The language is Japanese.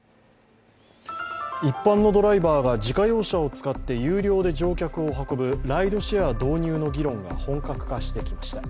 一般のドライバーが自家用車を使って有料で乗客を運ぶライドシェア導入の議論が本格化してきました